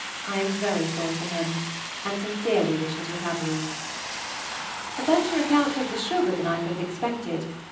I am very sorry for him, and sincerely wish his recovery. A better account of the sugar than I could have expected.